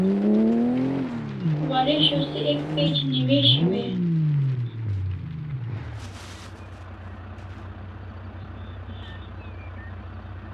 Waresho se ek page newishiu e?